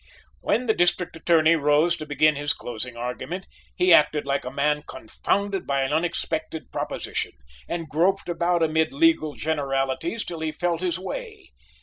When the District Attorney rose to begin his closing argument, he acted like a man confounded by an unexpected proposition, and groped about amid legal generalities till he felt his way.